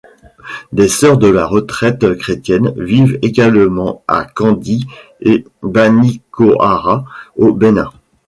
Des Sœurs de la Retraite Chrétienne vivent également à Kandi et Banikoara, au Bénin.